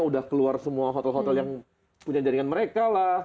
udah keluar semua hotel hotel yang punya jaringan mereka lah